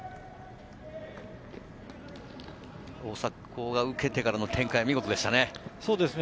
大迫が受けてからの展開、見事でしたね。